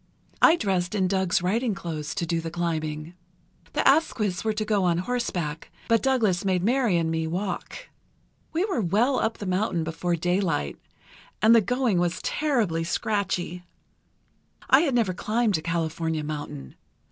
I dressed in Doug's riding clothes to do the climbing. The Asquiths were to go on horseback, but Douglas made Mary and me walk. "We were well up the mountain before daylight, and the going was terribly scratchy. I had never climbed a California mountain.